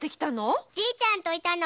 じいちゃん